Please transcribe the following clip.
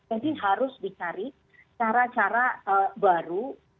jadi harus dicari cara cara baru